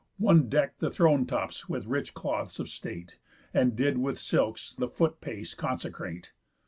One deck'd the throne tops with rich cloths of state, And did with silks the foot pace consecrate.